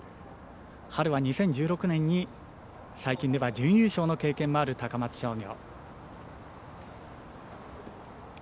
春は２０１６年に最近では準優勝の経験もある高松商業。